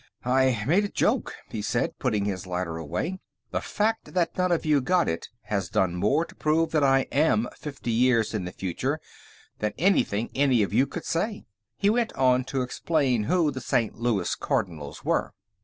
"I made a joke," he said, putting his lighter away. "The fact that none of you got it has done more to prove that I am fifty years in the future than anything any of you could say." He went on to explain who the St. Louis Cardinals were.